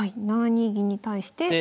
７二銀に対して。